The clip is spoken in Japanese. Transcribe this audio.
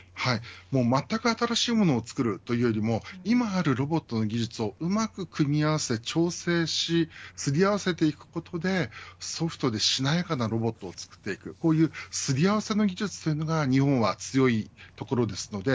まったく新しいものを作るというよりも今あるロボットの技術をうまく組み合わせ調整し、すり合わせていくことでソフトでしなやかなロボットを作っていくこういう、すり合わせの技術が日本は強いところです。